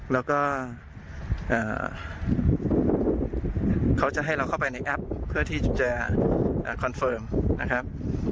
แล้วก็เขาจะให้เราเข้าไปในแอปเพื่อที่จะคอนเฟิร์มนะครับ